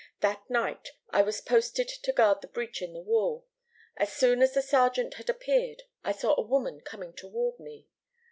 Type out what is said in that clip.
That night I was posted to guard the breach in the wall. As soon as the sergeant had disappeared I saw a woman coming toward me.